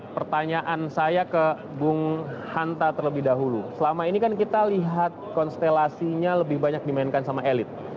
pertanyaan saya ke bung hanta terlebih dahulu selama ini kan kita lihat konstelasinya lebih banyak dimainkan sama elit